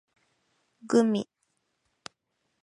gumi